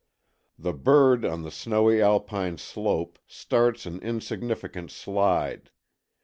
The bird on the snowy alpine slope starts an insignificant slide.